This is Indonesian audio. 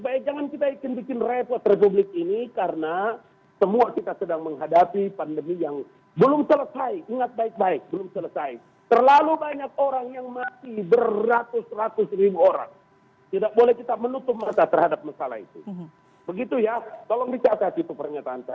begitu ya tolong dicatat itu pernyataan saya